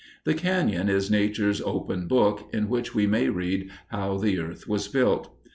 The cañon is Nature's open book in which we may read how the earth was built.